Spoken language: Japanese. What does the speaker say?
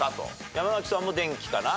山崎さんも「電気」かな？